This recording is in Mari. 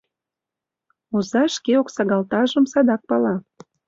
Оза шке оксагалтажым садак пала.